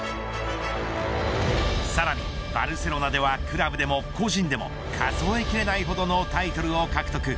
さらにバルセロナではクラブでも個人でも数え切れないほどのタイトルを獲得。